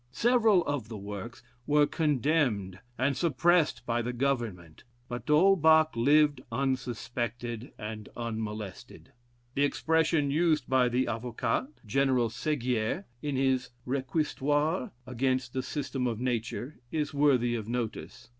Several of the works were condemned and suppressed by the government; but D'Holbach lived unsuspected and unmolested. The expression used by the Avocat, General Seguier, in his réquisitoire against the "System of Nature" is worthy of notice.